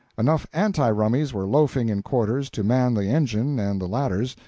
Enough anti rummies were loafing in quarters to man the engine and the ladders.